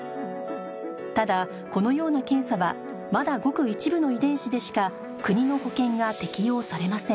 ただこのような検査はまだごく一部の遺伝子でしか国の保険が適用されません